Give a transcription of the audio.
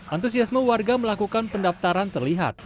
antusiasme warga melakukan pendaftaran terlihat